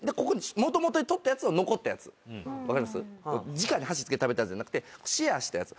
じかに箸付けて食べたやつじゃなくてシェアしたやつ。